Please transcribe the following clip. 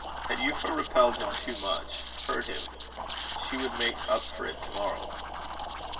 Had Euphra repelled him too much hurt him? She would make up for it to morrow.